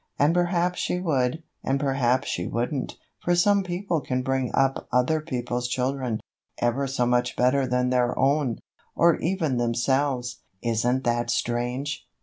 And perhaps she would, and perhaps she wouldn't, for some people can bring up other people's children ever so much better than their own, or even themselves. Isn't that strange?